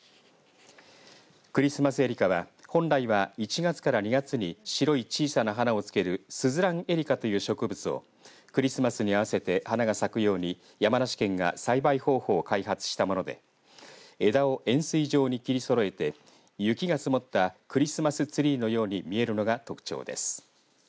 クリスマス絵梨花は、本来は１月から２月に白い小さな花をつけるスズランエリカという植物をクリスマスに合わせて花が咲くように山梨県が栽培方法を開発したもので枝を円すい状に切りそろえて雪が積もったクリスマスツリーのように見えるのが特徴です。